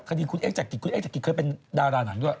คดีคุณเอ็กซ์จักริดคุณเอ็กซ์จักริดเคยเป็นดาราหนังด้วย